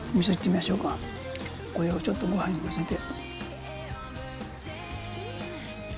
これをちょっとご飯にのせて。